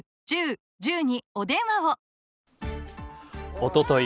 おととい